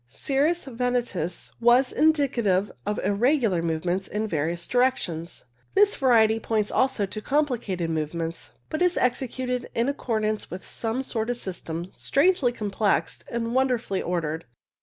Cirrus ventosus was indicative of irregular movements in various directions ; this variety points also to com plicated movements, but executed in accordance with some sort of system, strangely complex and wonderfully ordered.